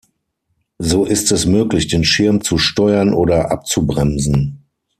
So ist es möglich, den Schirm zu steuern oder abzubremsen.